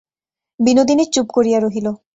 বিনোদিনী চুপ করিয়া রহিল।